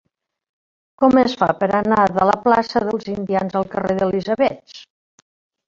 Com es fa per anar de la plaça dels Indians al carrer d'Elisabets?